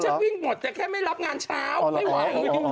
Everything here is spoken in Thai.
ฉันวิ่งหมดแต่แค่ไม่รับงานเช้า